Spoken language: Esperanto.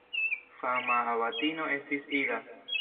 Fama abatino estis Ida.